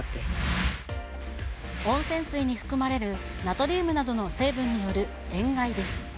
温泉水に含まれるナトリウムなどの成分による塩害です。